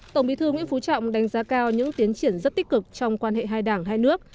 tổng bí thư nguyễn phú trọng đánh giá cao những tiến triển rất tích cực trong quan hệ hai đảng hai nước